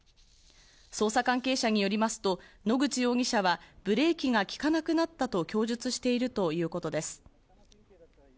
捜査関係者によりますと野口容疑者は、ブレーキが利かなくなったと供述しているということです。